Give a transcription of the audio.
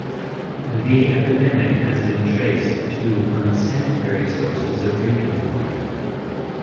The epidemic has been traced to unsanitary sources of drinking water.